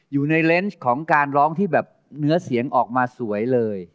อยู่ในระนชการร้องที่เนื้อเสียงออกมาสวยเลย